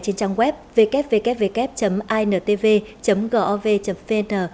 trên trang web www intv gov vn